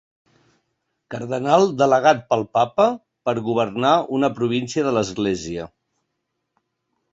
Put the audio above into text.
Cardenal delegat pel papa per a governar una província de l'Església.